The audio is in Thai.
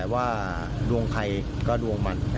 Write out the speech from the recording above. ว่าดวงใครก็ดวงมัน